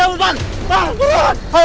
ada hantu bulu hati pak